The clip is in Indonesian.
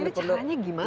ini caranya gimana ya